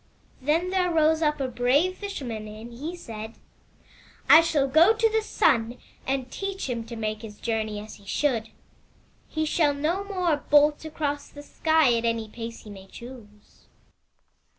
* "Then there rose up a brave Fisherman and he said; *I shall go to the Sun and teach him to make his journey as he should. He shall no more bolt across the sky at any pace he may choose.'